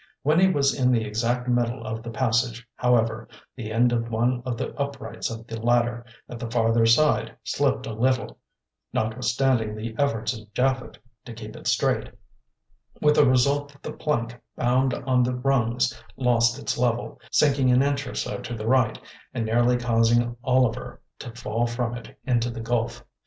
When he was in the exact middle of the passage, however, the end of one of the uprights of the ladder at the farther side slipped a little, notwithstanding the efforts of Japhet to keep it straight, with the result that the plank bound on the rungs lost its level, sinking an inch or so to the right, and nearly causing Oliver to fall from it into the gulf.